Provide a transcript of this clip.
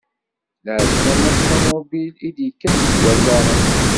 Lɛeslama s ṭunubil, i d-yekkan s Wallaɣen.